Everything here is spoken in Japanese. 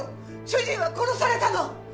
主人は殺されたの！